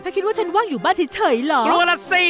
ถ้าคิดว่าฉันว่างอยู่บ้านเฉยเหรอกลัวล่ะสิ